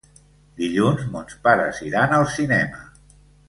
Dilluns mons pares iran al cinema.